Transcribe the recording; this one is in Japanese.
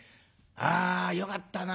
「あよかったな。